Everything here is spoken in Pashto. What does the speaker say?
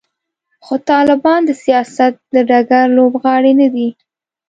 خو طالبان د سیاست د ډګر لوبغاړي نه دي.